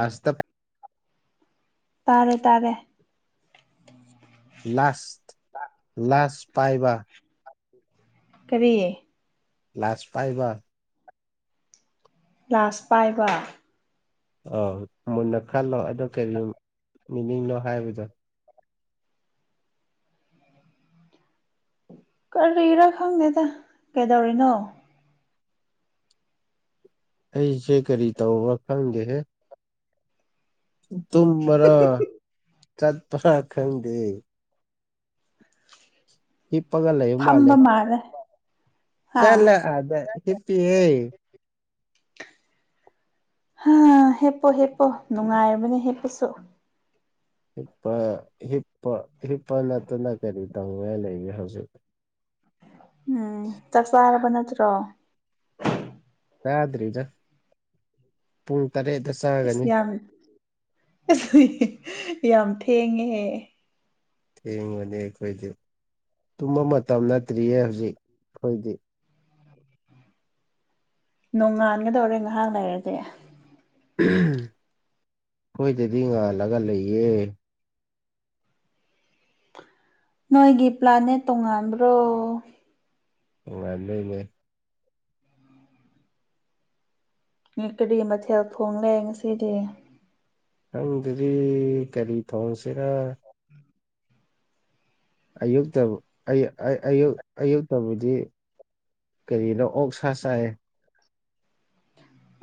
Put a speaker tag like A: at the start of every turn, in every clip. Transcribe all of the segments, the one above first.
A: ice ꯇꯞ
B: ꯇꯥꯔꯦ ꯇꯥꯔꯦ
A: ꯂꯥꯁ ꯂꯥꯁ ꯄꯥꯏꯕ
B: ꯀꯔꯤ
A: ꯂꯥꯁ ꯄꯥꯏꯕ
B: ꯂꯥꯁ ꯄꯥꯏꯕ
A: ꯑꯥꯎ ꯃꯨꯟꯅ ꯈꯜꯂꯣ ꯑꯗꯣ ꯀꯔꯤ ꯃꯤꯅꯤꯡꯅꯣ ꯍꯥꯏꯕꯗꯣ
B: ꯀꯔꯤꯔꯥ ꯈꯪꯗꯦꯗ ꯀꯩꯗꯧꯔꯤꯅꯣ
A: ꯑꯩꯁꯦ ꯀꯔꯤ ꯇꯧꯕ꯭ꯔ ꯈꯪꯗꯦꯍꯦ ꯇꯨꯝꯕꯔ ꯆꯠꯄꯔ ꯈꯪꯗꯦ ꯍꯤꯞꯄꯒ ꯂꯩ ꯃꯥꯜꯂꯦ
B: ꯃꯥꯂꯦ
A: ꯆꯂꯣ ꯑꯗ ꯍꯤꯄꯤꯌꯦ
B: ꯍꯥ ꯍꯤꯞꯄꯣ ꯍꯤꯞꯄꯣ ꯅꯨꯡꯉꯥꯏꯕꯅꯦ ꯍꯤꯞꯄꯁꯨ
A: ꯍꯤꯄ ꯍꯤꯞꯄ ꯍꯤꯞꯄ ꯅꯠꯇꯅ ꯀꯔꯤ ꯇꯧꯅꯤꯉꯥꯢ ꯂꯩꯒꯦ ꯍꯧꯖꯤꯛ
B: ꯎꯝ ꯆꯥꯛ ꯆꯥꯔꯕ ꯅꯠꯇ꯭ꯔꯣ
A: ꯆꯥꯗꯔꯤꯗ ꯄꯨꯡ ꯇꯔꯦꯠ ꯇ
B: ꯑꯁ ꯌꯥꯝ ꯑꯁ ꯌꯥꯝ ꯊꯦꯡꯉꯦꯍꯦ
A: ꯊꯦꯡꯕꯦ ꯑꯈꯣꯏꯗꯤ ꯇꯨꯝꯕ ꯃꯇꯝ ꯅꯠꯇ꯭ꯔꯤꯌꯦ ꯍꯧꯖꯤꯛ ꯑꯈꯣꯏꯗꯤ
B: ꯅꯣꯡꯉꯥꯟꯒꯗꯧꯔꯦ ꯉꯥꯏꯍꯥꯛ ꯂꯩꯔꯗꯤ
A: ꯑꯈꯣꯏꯗꯗꯤ ꯉꯥꯜꯂꯒ ꯂꯩꯌꯦ
B: ꯅꯣꯏꯒꯤ ꯄ꯭ꯂꯥꯅꯦꯠ ꯇꯣꯉꯥꯟꯕ꯭ꯔꯣ
A: ꯇꯣꯉꯥꯟꯕꯩꯅꯦ
B: ꯅꯣꯢ ꯀꯔꯤ ꯃꯊꯦꯜ ꯊꯣꯡ ꯂꯦ ꯉꯁꯤꯗꯤ
A: ꯈꯪꯗꯔꯤ ꯀꯔꯤ ꯊꯣꯡꯁꯤꯔ ꯑꯌꯨꯛꯇ ꯑꯩ ꯑꯩꯌꯨꯛ ꯑꯌꯨꯛꯇꯕꯨꯗꯤ ꯀꯔꯤꯅ‌ꯣ ꯑꯣꯛ ꯁꯥ ꯆꯥꯏ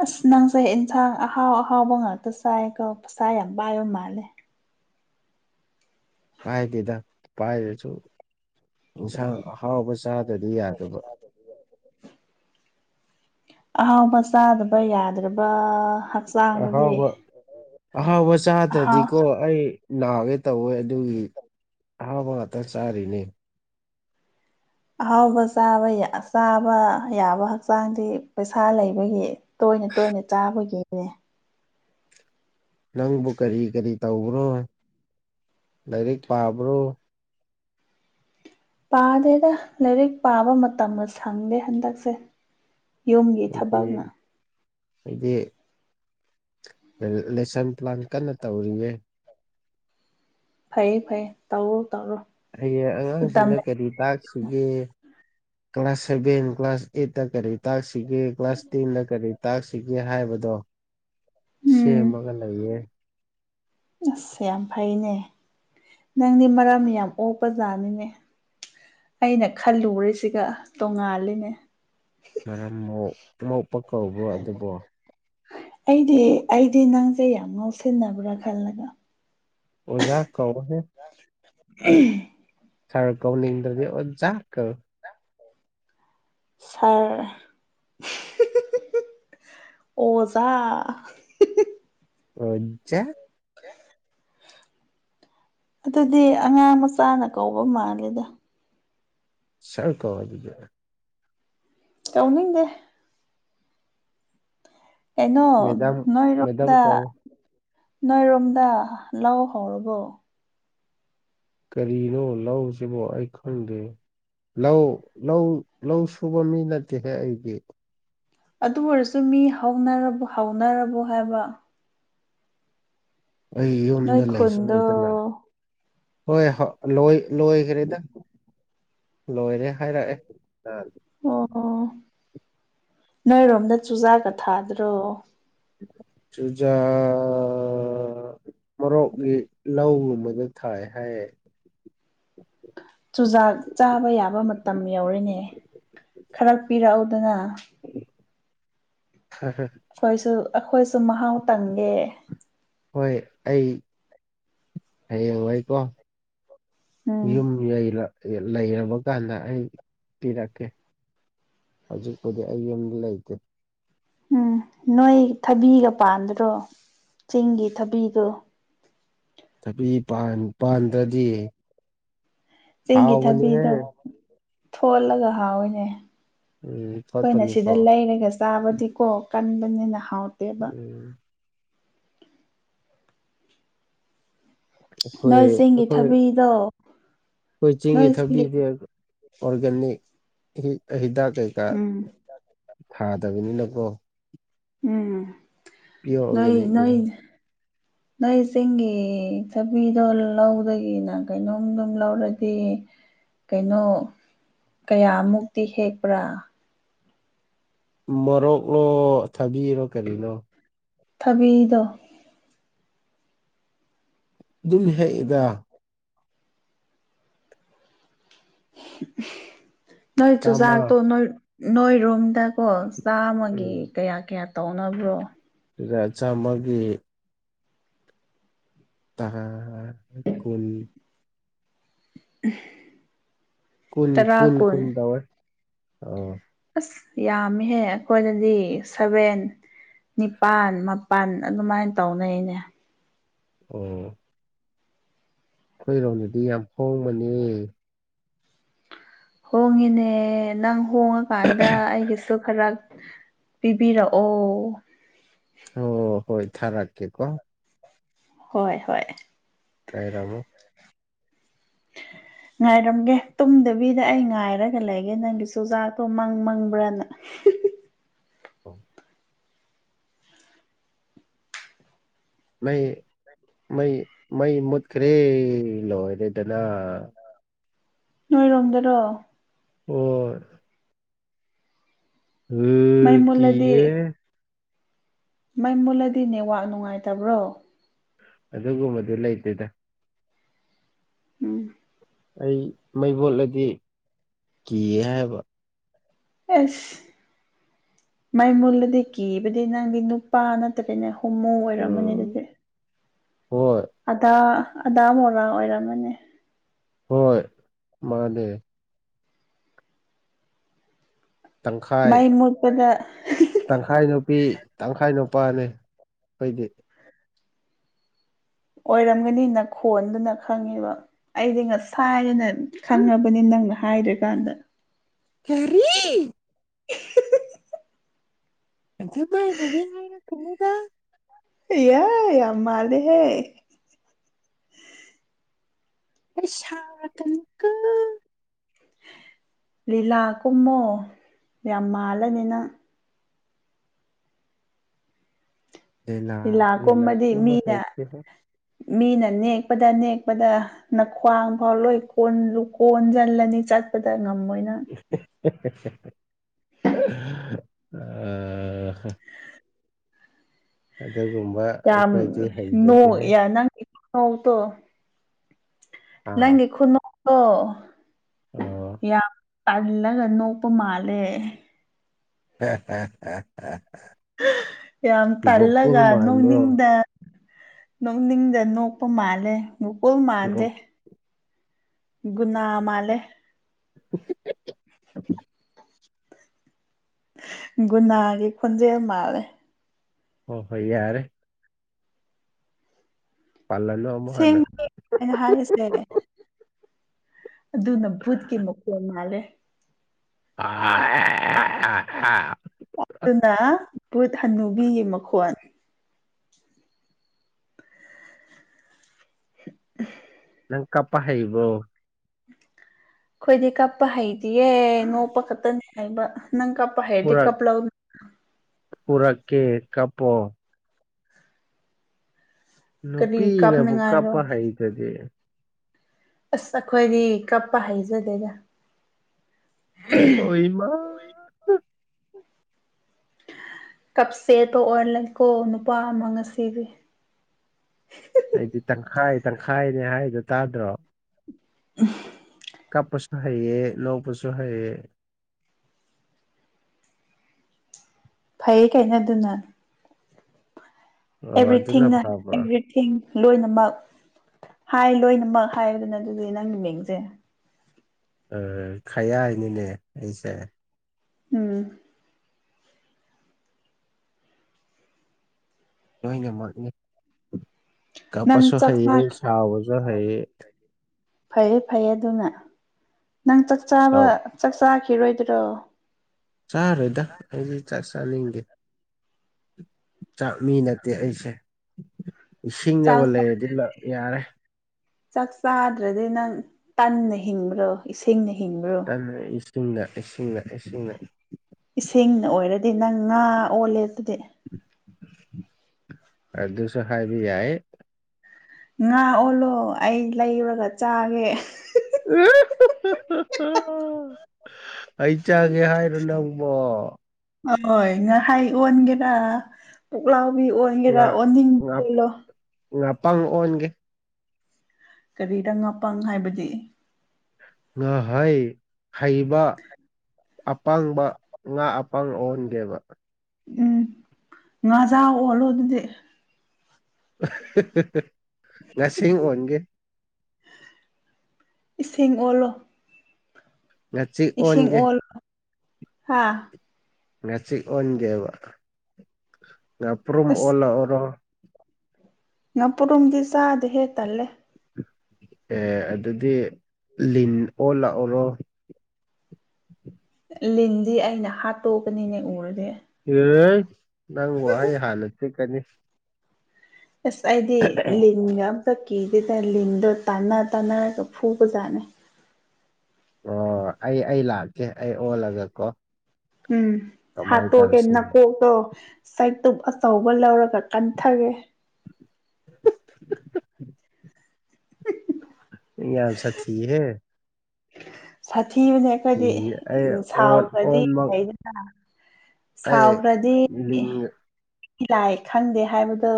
B: ꯑꯁ ꯅꯪꯁꯦ ꯑꯦꯟꯁꯥꯡ ꯑꯍꯥꯎ ꯑꯍꯥꯎꯕ ꯉꯥꯛꯇ ꯆꯥꯏꯀꯣ ꯄꯩꯁꯥ ꯌꯥꯝ ꯄꯥꯏꯕ ꯃꯥꯜꯂꯦ
A: ꯄꯥꯏꯗꯦꯗ ꯄꯥꯏꯔꯖꯨ ꯏꯟꯁꯥꯡ ꯑꯍꯥꯎꯕ ꯆꯥꯗꯗꯤ ꯌꯥꯗꯕ
B: ꯑꯍꯥꯎꯕ ꯆꯥꯗꯕ ꯌꯥꯗ꯭ꯔꯕ ꯍꯛꯆꯥꯡꯗꯨꯗꯤ
A: ꯑꯍꯥꯎꯕ ꯑꯍꯥꯎꯕ
B: ꯑꯍꯥꯎ
A: ꯆꯥꯗ꯭ꯔꯗꯤꯀꯣ ꯑꯩ ꯅꯥꯒꯦ ꯇꯧꯋꯦ ꯑꯗꯨꯒꯤ ꯑꯍꯥꯎꯕ ꯉꯥꯛꯇ ꯆꯥꯔꯤꯅꯦ
B: ꯑꯍꯥꯎꯕ ꯆꯥꯕ ꯌꯥ ꯆꯥꯕ ꯌꯥꯕ ꯍꯛꯆꯥꯡꯗꯤ ꯄꯩꯁꯥ ꯂꯩꯕꯒꯤ ꯇꯣꯏꯅ ꯇꯣꯏꯅ ꯆꯥꯕꯒꯤꯅꯦ
A: ꯅꯪꯕꯨ ꯀꯔꯤ ꯀꯔꯤ ꯇꯧꯕ꯭ꯔꯣ ꯂꯥꯏꯔꯤꯛ ꯄꯥꯕ꯭ꯔꯣ
B: ꯄꯥꯗꯦꯗ ꯂꯥꯏꯔꯤꯛ ꯄꯥꯕ ꯃꯇꯝꯒ ꯁꯪꯗꯦ ꯍꯟꯗꯛꯁꯦ ꯌꯨꯝꯒꯤ ꯊꯕꯛꯅ
A: [unintelligible] ꯂꯦꯁꯟ ꯄ꯭ꯂꯥꯟ ꯀꯟꯅ ꯇꯧꯔꯤꯌꯦ
B: ꯐꯩꯌꯦ ꯐꯩꯌꯦ ꯇꯧꯔꯣ ꯇꯧꯔꯣ
A: ꯍꯌ‌ꯦꯡ
B: ꯃꯇꯝ
A: ꯑꯉꯥꯡꯁꯤꯡꯗ ꯀꯔꯤ ꯇꯥꯛꯁꯤꯒꯦ ꯀ꯭ꯂꯥꯁ ꯁꯚꯦꯟ ꯀ꯭ꯂꯥꯁ ꯑꯩꯠꯇ ꯀꯔꯤ ꯇꯥꯛꯁꯤꯒꯦ ꯀ꯭ꯂꯥꯁ ꯇꯦꯟꯗ ꯀꯔꯤ ꯇꯥꯛꯁꯤꯒꯦ ꯍꯥꯏꯕꯗꯣ
B: ꯎꯝ
A: ꯁꯦꯝꯃꯒ ꯂꯩꯌꯦ
B: ꯑꯁ ꯌꯥꯝ ꯐꯩꯅꯦ ꯅꯪꯗꯤ ꯃꯔꯥ ꯌꯥꯝ ꯑꯣꯛꯄꯖꯥꯠꯅꯤꯅꯦ ꯑꯩꯅ ꯈꯜꯂꯨꯔꯤꯁꯤꯒ ꯇꯣꯉꯥꯜꯂꯤꯅꯦ
A: ꯃꯔꯝ ꯃꯣꯛ ꯃ‌ꯣꯛꯄꯥ ꯀꯧꯕ꯭ꯔꯣ ꯑꯗꯨꯕ‌ꯣ
B: ꯑꯩꯗꯤ ꯑꯩꯗꯤ ꯅꯪꯁꯦ ꯌꯥꯝ ꯉꯧꯁꯤꯟꯅꯕ꯭ꯔꯥ ꯈꯜꯂꯒ
A: ꯑꯣꯖꯥ ꯀꯧꯍꯦ
B: [unintelligible]
A: ꯁꯥꯔ ꯀꯧꯅꯤꯡꯗꯔꯥꯗꯤ ꯑꯣꯖꯥ ꯀꯧ
B: ꯁꯥꯔ ꯑꯣꯖꯥ
A: ꯑ‌ꯣꯖꯥ
B: ꯑꯗꯨꯗꯤ ꯑꯉꯥꯡ ꯃꯆꯥꯅ ꯀꯧꯕ ꯃꯥꯜꯂꯦꯗ
A: ꯁꯥꯔ ꯀꯧ ꯑꯗꯨꯗꯤ
B: ꯇꯧꯅꯤꯗꯦ ꯀꯩꯅ‌ꯣ
A: ꯃꯦꯗꯥꯝ
B: ꯅꯣꯏ
A: ꯃꯦꯗꯥꯝ
B: ꯔꯣꯝꯗꯥ
A: ꯀꯧ
B: ꯅꯣꯏꯔꯣꯝꯗ ꯂꯧ ꯍꯧꯔꯕꯣ
A: ꯀꯔꯤꯅꯣ ꯂꯧꯁꯤꯕꯣ ꯑꯩ ꯈꯪꯗꯦ ꯂꯧ ꯂꯧ ꯂꯧ ꯁꯨꯕꯥ ꯃꯤ ꯅꯠꯇꯦꯍꯦ ꯑꯩꯗꯤ
B: ꯑꯗꯨ ꯑꯣꯏꯔꯁꯨ ꯃꯤ ꯍꯧꯅꯔꯕ‌ꯣ ꯍꯧꯅꯔꯕꯣ ꯍꯥꯏꯕ
A: ꯑꯩ
B: ꯅꯣꯏ
A: ꯌꯨꯝꯗ ꯂꯩꯁꯨ
B: ꯈꯨꯟꯗꯣ
A: ꯂꯩꯇꯅ ꯍꯣꯏ ꯂꯣꯏ ꯂ‌ꯣꯏꯒ꯭ꯔꯦꯗ ꯂꯣꯏꯔꯦ ꯍꯥꯏꯔꯛꯑꯦ
B: ꯑꯣ ꯅꯣꯏꯔꯣꯝꯗ ꯆꯨꯖꯥꯛꯒ ꯊꯥꯗ꯭ꯔꯣ
A: ꯆꯨꯖꯥꯛ ꯃꯣꯔꯣꯛꯒꯤ ꯂꯧꯒꯨꯝꯕꯗ ꯊꯥꯏ ꯍꯥꯏ
B: ꯆꯨꯖꯥꯛ ꯆꯥꯕ ꯌꯥꯕ ꯃꯇꯝ ꯌꯧꯔ‌ꯦꯅꯦ ꯈꯔ ꯄꯤꯔꯛꯎꯗꯅꯥ
A: [unintelligible]
B: ꯑꯩꯈꯣꯏꯁꯨ ꯑꯩꯈꯣꯏꯁꯨ ꯃꯍꯥꯎ ꯇꯪꯒꯦ
A: ꯍꯣꯏ ꯑꯩ ꯍꯌꯦꯡ ꯋꯥꯏꯀꯣ
B: ꯎꯝ
A: ꯌꯨꯝ ꯂꯩꯔ ꯂꯩꯔꯕ ꯀꯥꯟꯗ ꯑꯩ ꯄꯤꯔꯛꯀꯦ ꯍꯧꯖꯤꯛꯄꯨꯗꯤ ꯑꯩ ꯌꯨꯝꯗ ꯂꯩꯇꯦ
B: ꯎꯝ ꯅꯣꯏ ꯊꯕꯤꯒ ꯄꯥꯟꯗ꯭ꯔꯣ ꯆꯤꯡꯒꯤ ꯊꯕꯤꯗꯣ
A: ꯊꯕꯤ ꯄꯥꯟ ꯄꯥꯟꯗ꯭ꯔꯗꯤ
B: ꯆꯤꯡꯒꯤ
A: ꯍꯥꯎꯕꯅꯤꯍꯦ
B: ꯊꯕꯤꯗꯣ ꯊꯣꯠꯂꯒ ꯍꯥꯎꯋꯦꯅꯦ
A: ꯎꯝ
B: ꯈꯣꯏꯅ ꯁꯤꯗ
A: ꯐꯠꯄꯅꯤꯀꯣ
B: ꯂꯩꯔꯒ ꯆꯥꯕꯗꯤꯀꯣ ꯀꯟꯕꯅꯤꯅ ꯍꯥꯎꯇꯦꯕ
A: ꯎꯝ ꯑꯩꯈꯣꯏ
B: ꯅꯣꯏ ꯆꯤꯡꯒꯤ
A: ꯑꯩꯈꯣꯏ
B: ꯊꯕꯤꯗꯣ
A: ꯑꯩꯈꯣꯏ ꯆꯤꯡꯒꯤ ꯊꯕꯤꯁꯦ ꯑꯣꯔꯒꯥꯅꯤꯛ ꯍꯤꯗꯥꯛ ꯀꯩꯀꯥ
B: ꯎꯝ
A: ꯊꯥꯗꯕꯅꯤꯅꯀꯣ
B: ꯎꯝ
A: ꯄꯤꯌꯣꯔ
B: ꯅꯣꯏ ꯅꯣꯏ
A: ꯑꯣꯔꯒꯥꯅꯤꯛꯅꯤꯅ
B: ꯅꯣꯏ ꯆꯤꯡꯒꯤ ꯊꯕꯤꯗꯣ ꯂꯧꯗꯒꯤꯅ ꯀꯩꯅꯣꯝꯗꯨꯝ ꯂꯧꯔꯗꯤ ꯀꯩꯅꯣ ꯀꯌꯥꯃꯨꯛꯇꯤ ꯍꯦꯛꯄ꯭ꯔꯥ
A: ꯃꯣꯔꯣꯛꯂꯣ ꯊꯥꯕꯤꯔꯣ ꯀꯔꯤꯅꯣ
B: ꯊꯕꯤꯗꯣ
A: ꯑꯗꯨꯝ ꯍꯦꯛꯏꯗ
B: ꯅꯣꯏ
A: ꯆꯥꯝꯃ
B: ꯆꯨꯖꯥꯛꯇꯣ ꯅꯣꯏ ꯅꯣꯏꯔꯣꯝꯗ ꯀꯣ ꯆꯥꯝꯃꯒꯤ ꯀꯌꯥ ꯀꯌꯥ ꯇꯧꯅꯕ꯭ꯔꯣ
A: ꯆꯨꯖꯥꯛ ꯆꯥꯝꯃꯒꯤ ꯇꯥ ꯀꯨꯟ
B: [unintelligible]
A: ꯀꯨꯟ ꯀꯨꯟ ꯀꯨꯟ ꯇꯧꯋꯦ ꯑ
B: ꯑꯁ ꯌꯥꯝꯃꯤꯍꯦ ꯑꯩꯈꯣꯏꯗꯗꯤ ꯁꯚꯦꯟ ꯅꯤꯄꯥꯟ ꯃꯥꯄꯟ ꯑꯗꯨꯃꯥꯏꯅ ꯇꯧꯅꯩꯅꯦ
A: ꯑꯣ ꯑꯩꯈꯣꯏꯔꯣꯝꯗꯗꯤ ꯌꯥꯝ ꯍꯣꯡꯕꯅꯦ
B: ꯍꯣꯡꯉꯤꯅꯦ ꯅꯪ ꯍꯣꯡꯉꯀꯥꯟꯗ ꯑꯩꯒꯤ ꯁꯨ ꯈꯔ ꯄꯤꯕꯤꯔꯛꯑꯣ
A: ꯑꯣ ꯍꯣꯏ ꯊꯥꯔꯥꯒꯦ ꯀꯣ
B: ꯍꯣꯏ ꯍꯣꯏ
A: ꯂꯩꯔꯥꯝꯃꯣ [unintelligible]
B: ꯉꯥꯏꯔꯝꯒꯦ ꯇꯨꯝꯗꯕꯤꯗ ꯑꯩ ꯉꯥꯏꯔꯒ ꯂꯩꯒꯦ ꯅꯪꯒꯤ ꯆꯨꯖꯥꯛꯇꯣ ꯃꯪ ꯃꯪꯕ꯭ꯔꯅ [unintelligible]
A: [unintelligible] ꯃꯩ ꯃꯩ ꯃꯩ ꯃꯨꯠꯈ꯭ꯔꯦ ꯂꯣꯏꯔꯦꯗꯅ
B: ꯅꯣꯏꯔꯣꯝꯗꯔꯣ
A: [unintelligible]
B: ꯃꯩ
A: ꯎꯝ ꯀꯤꯍꯦ
B: ꯃꯥꯏ ꯃꯨꯜꯂꯗꯤ ꯅꯦꯠꯋꯥꯛ ꯅꯨꯡꯉꯥꯏꯇꯕ꯭ꯔꯣ
A: ꯑꯗꯨꯒꯨꯝꯕꯗꯣ ꯂꯩꯇꯦꯗ
B: ꯎꯝ
A: ꯑꯩ ꯃꯩ ꯃꯨꯠꯂꯗꯤ ꯀꯤꯌꯦ ꯍꯥꯏꯕ
B: ꯑꯦꯁ ꯃꯩ ꯃꯨꯠꯂꯗꯤ ꯀꯤꯕꯗꯤ ꯅꯪꯗꯤ ꯅꯨꯄꯥ ꯅꯠꯇ꯭ꯔꯅꯦ ꯍꯣꯃꯣ ꯑꯣꯏꯔꯝꯃꯅꯤ
A: ꯎꯝ
B: ꯑꯗꯨꯗꯤ
A: ꯍꯣꯏ
B: ꯑꯗꯥ ꯑꯗꯥ ꯃꯣꯔꯥ ꯑꯣꯏꯔꯝꯃꯅꯤ
A: ꯍꯣꯏ ꯃꯥꯅꯦ ꯇꯪꯈꯥꯏ
B: ꯃꯩ ꯃꯨꯠꯄꯗ
A: ꯇꯪꯈꯥꯏ ꯅꯨꯄꯤ ꯇꯪꯈꯥꯏ ꯅꯨꯄꯥꯅꯤ ꯈꯣꯏꯗꯤ
B: ꯑꯣꯏꯔꯝꯒꯅꯤ ꯅꯈꯣꯟꯗꯨꯅ ꯈꯪꯉꯦꯕ ꯑꯩꯗꯤ ꯉꯁꯥꯏꯅ ꯈꯪꯉꯕꯅꯤ ꯅꯪꯅ ꯍꯥꯏꯗ꯭ꯔꯤꯀꯥꯟꯗ
A: ꯀꯥꯔꯤ [unintelligible]
B: ꯌꯥꯏ ꯌꯥꯝ ꯃꯥꯜꯂꯦꯍꯦ
A: [unintelligible]
B: ꯂꯤꯂꯥ ꯀꯨꯝꯃꯣ ꯌꯥꯝ ꯃꯥꯜꯂꯅꯤ ꯅꯪ ꯂꯤꯂꯥ
A: ꯂꯦꯂꯥ
B: ꯀꯨꯝꯃꯗꯤ
A: ꯀꯨꯝ ꯂꯦꯂꯥ
B: ꯃꯤꯅ
A: ꯍꯩꯇꯦꯍꯦ
B: ꯃꯤꯅ ꯅꯦꯛꯄꯗ ꯅꯦꯛꯄꯗ ꯅ ꯈ꯭ꯋꯥꯡ ꯐꯥꯎ ꯂꯣꯏ ꯀ ꯀꯣꯟꯁꯤꯜꯂꯅꯤ ꯆꯠꯄꯗ ꯉꯝꯃꯣꯏꯅ
A: [inaudible] ꯑ ꯑꯗꯨꯒꯨꯝꯕ
B: ꯌꯥꯝ
A: ꯑꯩꯈꯣꯏꯗꯤ ꯍꯩꯖꯗꯦꯍꯦ
B: ꯅꫭꯛꯌꯥ ꯅꯪꯒꯤ ꯅꯧ ꯇꫭ
A: ꯑꯥ
B: ꯅꯪꯒꯦ ꯈꯨꯅꫭꯛ ꯑꯣ
A: ꯑꯣ
B: ꯌꯥꯝ ꯇꯥꯜꯂꯒ ꯅꯣꯛꯄ ꯃꯥꯜꯂꯦ
A: ꯍ [unintelligible]
B: ꯌꯥꯝ ꯇꯜꯂꯒ
A: ꯃꯥꯟꯕ꯭ꯔꯣ
B: ꯅꯣꯡꯅꯤꯡꯗ ꯅꯣꯡꯅꯤꯡꯗ ꯅꯣꯛꯄ ꯃꯥꯜꯂꯦ ꯃꯨꯀꯨꯜ ꯃꯥꯥꯟꯗꯦ
A: ꯒꯣꯛ
B: ꯒꯨꯅꯥꯃꯂꯦ
A: [inaudible]
B: [inaudible] ꯒꯨꯅꯥꯒꯤ ꯈꯣꯟꯖꯦꯜ ꯃꯥꯜꯂꯦ
A: ꯍꯣꯏ ꯍꯣꯏ ꯌꯥꯔꯦ ꯄꯂꯟ
B: ꯁꯦꯡꯕꯅꯩ ꯑꯩꯅ ꯍꯥꯏꯁꯦ ꯑꯗꯨꯅ ꯕꯨꯠꯀꯤ ꯃꯈꯨꯟ ꯃꯥꯜꯂꯦ
A: [unintelligible]
B: ꯑꯗꯨꯅ ꯕꯨꯠ ꯍꯟꯅꯨꯕꯤꯒꯤ ꯃꯈꯣꯟ [inaudible]
A: ꯀꯥꯄ ꯍꯩꯕꯔꫭ
B: ꯑꯩꯈꯣꯏꯗꯤ ꯀꯞꯄ ꯍꯩꯗꯤꯌꯦ ꯅꯣꯛꯄ ꯈꯛꯇꯅꯤ ꯍꯥꯏꯕ ꯅꯪ ꯀꯞꯄ ꯍꯩꯔꯗꯤ
A: ꯄꯨꯔꯛ
B: ꯀꯞ ꯂꯧ
A: ꯄꯨꯔꯛꯀꯦ ꯀꯞꯄꯣ
B: ꯀꯔꯤ
A: ꯅꯨꯄꯤꯅꯕꯨ
B: ꯀꯥꯞꯅꯤꯡꯉꯥꯏꯔꯣ
A: ꯀꯥꯞꯄ ꯍꯩꯗꯗꯤ
B: ꯑꯁ ꯑꯩꯈꯣꯏꯗꯤ ꯀꯞꯄ ꯍꯥꯏꯩꯖꯗꯦꯗ
A: ꯍꫭꯏꯃꯥ
B: ꯀꯞ ꯆꯦꯠꯄ ꯑꯣꯏꯍꯜ ꯂꯩꯀꯣ ꯅꯨꯄꯥ ꯑꯃ ꯉꯁꯤꯗꯤ
A: ꯑꯩꯗꯤ ꯇꯪꯈꯥꯏ ꯇꯪꯈꯥꯏꯅꯦ ꯍꯥꯏꯗꯣ ꯇꯥꯗ꯭ꯔꯣ
B: [unintelligible]
A: ꯀꯥꯞꯄꯁꯨ ꯍꯩꯑ ꯂꯧꯕꯁꯨ ꯍꯩꯑ
B: ꯐꯩꯌꯦ ꯀꯥꯏꯅꯗꯨꯅ
A: ꯑꯣ ꯑꯗꯨꯅ
B: ꯑꯦꯚ꯭ꯔꯤꯊꯤꯡꯅ
A: ꯐꯕ꯭ꯔꯣ
B: ꯑꯦꯔꯤ ꯊꯤꯡ ꯂꯣꯏꯅꯃꯛ ꯍꯥꯏ ꯂꯣꯏꯅꯃꯛ ꯍꯥꯏꯗꯅ ꯑꯗꯨꯗꯤ ꯅꯪꯒꯤ ꯃꯤꯡꯁꯦ
A: ꯈꯩꯌꯥ ꯍꯥꯏꯅꯤꯅꯦ ꯑꯩꯁꯦ
B: ꯎꯝ
A: ꯂꯣꯏꯅꯃꯛꯅꯤ
B: ꯅꯪ
A: ꯀꯞꯄꯁꯨ
B: ꯆꯥꯛ
A: ꯍꯩꯑ
B: ꯆꯥꯛ
A: ꯁꯥꯎꯕꯁꯨ ꯍꯩꯑ
B: ꯐꯩꯌꯦ ꯐꯩꯌꯦ ꯑꯗꯨꯅ ꯅꯪ ꯆꯥꯛ ꯆꯥꯕ
A: ꯁꯥꯎ
B: ꯆꯥꯛ ꯆꯥꯈꯤꯔꯣꯏꯗ꯭ꯔꯣ
A: ꯆꯥꯔꯣꯏꯗ ꯑꯩꯗꯤ ꯆ ꯆꯥꯅꯤꯡꯗꯦ ꯆꯥꯛ ꯃꯤ ꯅꯠꯇꯦ ꯑꯩꯁꯦ ꯏꯁꯤꯡꯒꯕꯨ
B: ꯆꯥꯛ
A: ꯂꯩꯔꯗꯤ ꯂ ꯌꯥꯔꯦ
B: ꯆꯥꯛ ꯆꯥꯗ꯭ꯔꯗꯤ ꯅꯪ ꯇꯟꯅ ꯍꯤꯡꯕ꯭ꯔꯣ ꯏꯁꯤꯡꯅ ꯍꯤꯡꯕ꯭ꯔꯣ
A: ꯏꯁꯤꯡꯅ ꯏꯁꯤꯡꯅ ꯏꯁꯤꯡꯅ
B: ꯏꯁꯤꯡꯅ ꯑꯣꯏꯔꯗꯤ ꯅꯪ ꯉꯥ ꯑꯣꯜꯂꯦ ꯑꯗꯨꯗꯤ
A: ꯑꯗꯨꯁꯨ ꯍꯥꯏꯕ ꯌꯥꯏ
B: ꯉꯥ ꯑꯣꯜꯂꯣ ꯑꯩ ꯂꯩꯨꯔꯒ ꯆꯥꯒꯦ
A: [inaudible] ꯑꯩ ꯆꯪꯒꯦ ꯍꯥꯏꯔꯣ ꯅꯪꯕꯣ
B: ꯍꯣꯏ ꯉꯍꯥꯏ ꯑꯣꯟꯒꯦꯔꯥ ꯄꯨꯛꯂꯥꯎꯕꯤ ꯑꯣꯟ
A: ꯉ ꯉ ꯉꯥꯄꯪ ꯑꯣꯟꯒꯦ
B: ꯀꯔꯤꯗ ꯉꯄꯥꯡ ꯍꯥꯏꯕꯗꯤ
A: ꯉꯍꯩ ꯍꯩꯕ ꯑꯄꯪꯕ ꯉꯥ ꯑꯄꯪ ꯑꯣꯟꯗꯦꯕ
B: ꯎꯝ ꯉꯥꯖꯥꯎ ꯑꯣꯜꯂꯣ ꯑꯗꯨꯗꯤ
A: ꯉꯁꯤꯡ ꯑꯣꯟꯒꯦ
B: ꯏꯁꯤꯡ ꯑꯣꯜꯂꯣ
A: ꯉꯥꯆꯤꯛ
B: ꯏꯁꯤꯡ
A: ꯑꯣꯟꯒꯦ
B: ꯑꯣꯜ ꯍꯥꯥ
A: ꯉꯥꯁꯤꯛ ꯑꯣꯟꯒꯦꯕ ꯉꯥ ꯄꯨ꯭ꯔꯨꯝ
B: ꯑꯁ
A: ꯑꯣꯜꯂꯛꯎꯔꯣ
B: ꯉꯄꯨꯔꯨꯝꯗꯤ ꯆꯥꯗꯦꯍꯦ ꯇꯜꯂꯦ
A: ꯑꯦ ꯑꯗꯨꯗꯤ ꯂꯤꯟ ꯑꯣ ꯂꯥꯛꯑꯣꯔꯣ
B: ꯂꯤꯟꯗꯤ ꯑꯩꯅ ꯍꯥꯠꯇꯣꯛꯀꯅꯤꯅꯦ ꯎꯔꯗꯤ
A: ꯑꯦ ꯅꯪ ꯕꯨ ꯑꯩ ꯍꯥꯟꯅ ꯆꯤꯀꯅꯤ
B: ꯑꯁ ꯑꯩꯗꯤ ꯂꯤꯟꯒ ꯑꯝꯇ ꯀꯤꯗꯦꯗ ꯂꯤꯟꯗꯣ ꯇꯥꯟꯅ ꯇꯥꯅꯔꯒ ꯐꯨꯕ ꯖꯥꯠꯅꯤ
A: ꯑꯣ ꯑꯩ ꯑꯩ ꯂꯥꯛꯀꯦ ꯑꯩ ꯑꯣꯜꯂꯒ ꯀꯣ
B: ꯎꯝ ꯍꯥꯇꯣꯀꯦ ꯅꯀꯣꯛꯇꯣ ꯁꯥꯏꯠꯇꯨ ꯑꯆꯧꯕ ꯂꯧꯔꯒ ꯀꯟꯊꯒꯦ
A: [unintelligible] ꯌꯥꯝ ꯁꯥ ꯊꯤ ꯍꯦ
B: ꯁꯥꯊꯤꯕꯅꯦ ꯑꯩꯈꯣꯏꯗꯤ
A: ꯀꯤꯌꯦ ꯑꯩ ꯑꯣꯟ
B: ꯁꯥꯎꯈ꯭ꯔꯗꯤ
A: ꯑꯣꯟꯃꯛ
B: ꯂꯩꯗꯅ
A: ꯑꯩ
B: ꯁꯥꯎꯈ꯭ꯔꯗꯤ
A: ꯂꯤꯟꯒ
B: ꯂꯥꯏ ꯈꯪꯗꯦ ꯍꯥꯏꯕꯗꯣ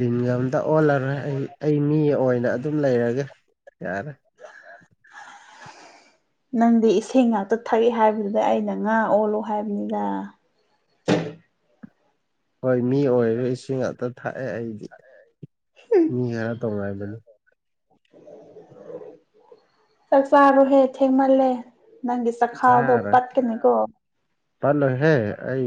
A: ꯂꯤꯟꯒ ꯑꯝꯇ ꯑꯣꯜꯂꯔꯣꯏ ꯑꯩ ꯑꯩ ꯃꯤ ꯑꯣꯏꯅ ꯑꯗꯨꯝ ꯂꯩꯔꯒꯦ ꯌꯥꯔꯦ [inaudible]
B: ꯅꯪꯗꯤ ꯏꯁꯩ ꯉꯥꯛꯇ ꯊꯛꯏ ꯍꯥꯏꯕꯗꯨꯗ ꯑꯩꯅ ꯉꯥ ꯑꯣꯜꯂꯣ ꯍꯥꯏꯕꯅꯤꯗ
A: ꯍꯣꯏ ꯃꯤ ꯑꯣꯏꯔꯁꯨ ꯏꯁꯤꯡ ꯑꯇ ꯊꯥꯛꯑꯦ ꯑꯩꯗꯤ ꯃꯤ ꯈꯔ ꯇꯧꯅꯕꯅꯤ [inaudible]
B: ꯆꯥꯛ ꯆꯥꯔꯨꯍꯦ ꯊꯦꯡꯃꯜꯂꯦ ꯅꯪꯒꯤ ꯆꯈꯥꯎꯗꯣ
A: ꯆꯥꯔꯣꯏ
B: ꯄꯠꯀꯅꯤꯀꯣ
A: ꯄꯠꯂꯣꯏꯍꯦ ꯑꯩ